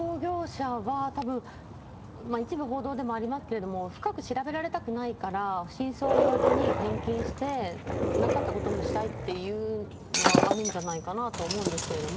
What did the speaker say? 決済代行業者は一部報道でもありますけど深く調べられたくないから真相は言わずに返金して、なかったことにしたいっていうのはあるんじゃないかなと思うんですけど。